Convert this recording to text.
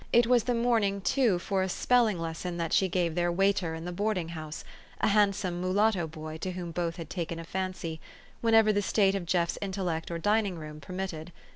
It was the morning, too, for a spelling les son that she gave their waiter in the boarding house (a handsome mulatto boy, to whom both had taken a fancy), whenever the state of Jeff's intellect or dining room permitted.